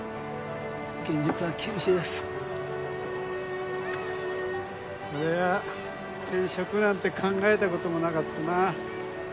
現実は厳しいです俺は転職なんて考えたこともなかったな